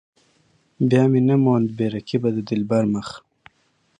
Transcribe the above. بیا مې نه موند بې رقيبه د دلبر مخ.